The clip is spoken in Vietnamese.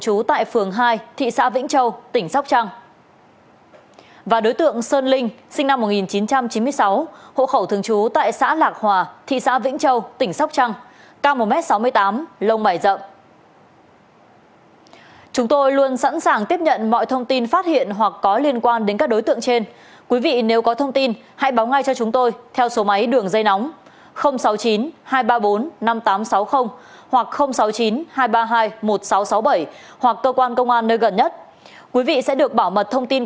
các đối tượng đứng ra tổ chức đá gà là hà văn tùng sinh năm một nghìn chín trăm chín mươi bốn ở thị trấn triệu sơn